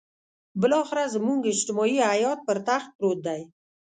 بالاخره زموږ اجتماعي حيات پر تخت پروت دی.